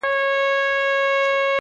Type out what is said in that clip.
o خير دی، زه داسي یم، چي داسي نه وم،